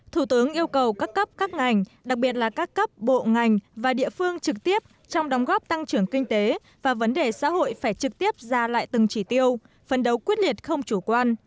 thủ tướng yêu cầu các cấp các ngành đặc biệt là các cấp bộ ngành và địa phương trực tiếp trong đóng góp tăng trưởng kinh tế và vấn đề xã hội phải trực tiếp ra lại từng chỉ tiêu phân đấu quyết liệt không chủ quan